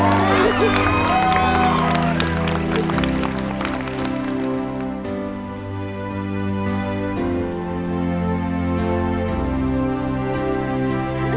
ร้องนายให้รัก